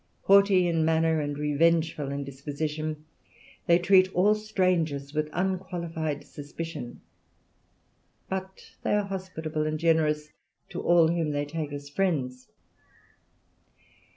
Haughty in manner and revengeful in disposition, they treat all strangers with unqualified suspicion, but they are hospitable and generous to all whom they take as friends.